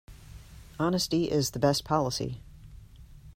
Honesty is the best policy.